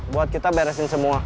buat kita beresin semua